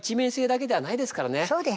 そうです。